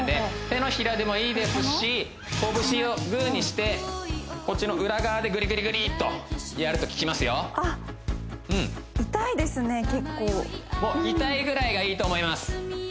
手のひらでもいいですし拳をグーにしてこっちの裏側でグリグリグリっとやると効きますよ痛いですね結構もう痛いぐらいがいいと思います